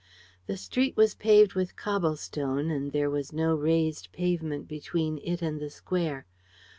The street was paved with cobble stones and there was no raised pavement between it and the square.